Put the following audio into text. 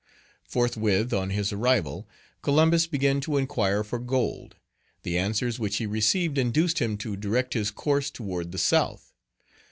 Forthwith, on his arrival, Columbus began to inquire for gold; the answers which he received induced him to direct his course toward the south.